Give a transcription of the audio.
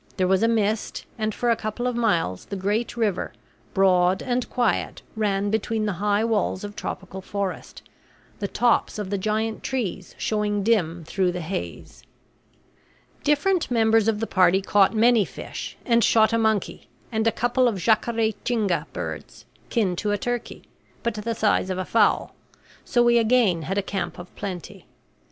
There was a mist, and for a couple of miles the great river, broad and quiet, ran between the high walls of tropical forest, the tops of the giant trees showing dim through the haze. Different members of the party caught many fish, and shot a monkey and a couple of jacare tinga birds kin to a turkey, but the size of a fowl so we again had a camp of plenty.